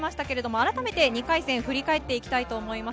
改めて２回戦を振り返っていきたいと思います。